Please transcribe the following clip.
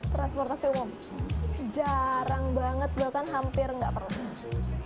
transportasi umum jarang banget bahkan hampir nggak perlu